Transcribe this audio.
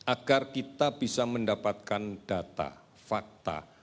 agar kita bisa mendapatkan data fakta